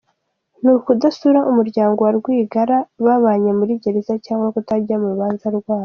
Ni ukudasura umuryango wa Rwigara babanye muri Gereza cyangwa kutajya mu rubanza rwabo?